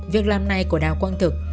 việc làm này của đào quang thực